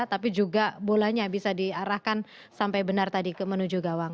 tapi juga bolanya bisa diarahkan sampai benar tadi menuju gawang